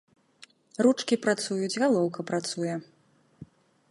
Ручкі працуюць, галоўка працуе.